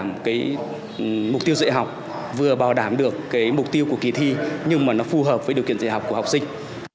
một cái mục tiêu dạy học vừa bảo đảm được cái mục tiêu của kỳ thi nhưng mà nó phù hợp với điều kiện dạy học của học sinh